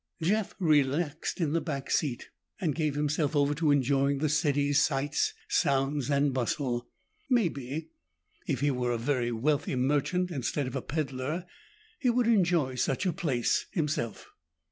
Jeff relaxed in the back seat and gave himself over to enjoying a city's sights, sounds, and bustle. Maybe, if he were a very wealthy merchant, instead of a peddler, he would enjoy such a place himself.